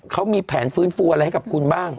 เขามีแผนฟื้นฟูอะไรให้กับคุณบ้าง